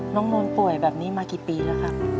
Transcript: น้องนนป่วยแบบนี้มากี่ปีแล้วครับ